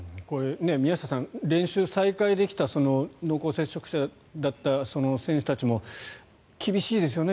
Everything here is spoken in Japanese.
宮下さん練習を再開できた濃厚接触者だった選手たちも厳しいですよね。